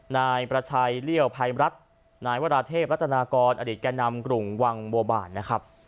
นายประชัยเลี่ยวภัยรัฐนายวราเทพรัตนากรอดีตแก่นำกลุ่มวังบัวบานนะครับ